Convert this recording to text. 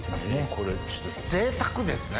これぜいたくですね。